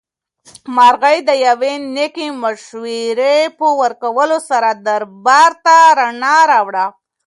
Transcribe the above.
مرغۍ د یوې نېکې مشورې په ورکولو سره دربار ته رڼا راوړه.